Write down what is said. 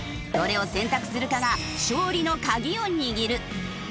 どれを選択するかが勝利の鍵を握る。